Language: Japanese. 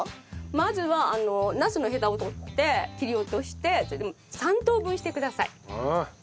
まずはナスのヘタを取って切り落としてそれで３等分してください。